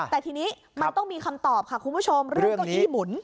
แต่ทีนี้มันต้องมีคำตอบค่ะคุณผู้ชมเรื่องเก้าอี้หมุน